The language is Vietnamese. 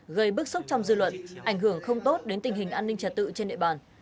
gây bức xúc trong dư luận ảnh hưởng không tốt đến tình hình an ninh trật tự trên địa bàn